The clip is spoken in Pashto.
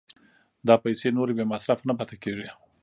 دا پیسې نورې بې مصرفه نه پاتې کېږي